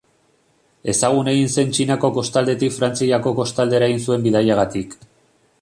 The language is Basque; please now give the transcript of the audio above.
Ezagun egin zen Txinako kostaldetik Frantziako kostaldera egin zuen bidaiagatik.